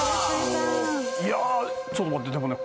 いやぁちょっと待ってでもね。